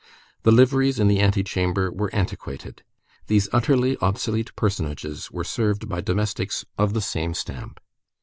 The liveries in the antechamber were antiquated. These utterly obsolete personages were served by domestics of the same stamp.